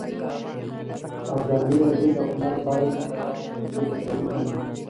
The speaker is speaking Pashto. ازادي راډیو د هنر په اړه نړیوالې اړیکې تشریح کړي.